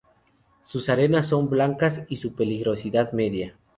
Sus arenas son blancas y su peligrosidad media.